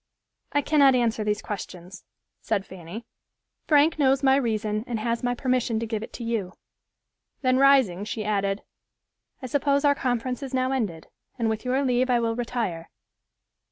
"I cannot answer these questions," said Fanny. "Frank knows my reason and has my permission to give it to you." Then rising, she added, "I suppose our conference is now ended, and with your leave I will retire."